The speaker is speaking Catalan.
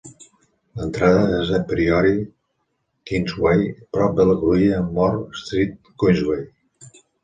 L'entrada és a Priory Queensway, prop de la cruïlla amb Moor Street Queensway.